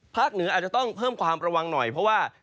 เหนืออาจจะต้องเพิ่มความระวังหน่อยเพราะว่า